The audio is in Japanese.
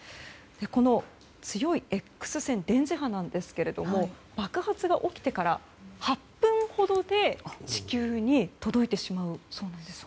この強いＸ線電磁波なんですけれども爆発が起きてから８分ほどで地球に届いてしまうそうなんです。